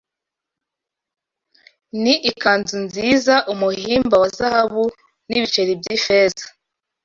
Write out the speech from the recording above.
Ni ikanzu nziza umuhimba wa zahabu n’ibiceri by’ifeza